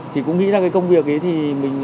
thì cũng nghĩ ra cái công việc ấy thì mình